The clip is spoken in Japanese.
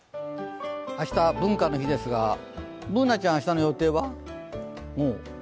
明日、文化の日ですが、Ｂｏｏｎａちゃん、明日の予定は？